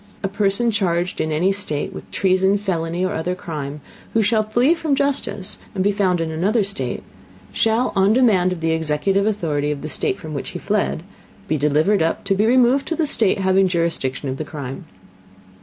A Person charged in any State with Treason, Felony, or other Crime, who shall flee from Justice, and be found in another State, shall on Demand of the executive Authority of the State from which he fled, be delivered up, to be removed to the State having Jurisdiction of the Crime.